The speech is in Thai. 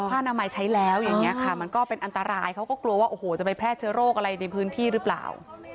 ผ้านามัยใช้แล้วอย่างนี้ค่ะมันก็เป็นอันตรายเขาก็กลัวว่าโอ้โหจะไปแพร่เชื้อโรคอะไรในพื้นที่หรือเปล่า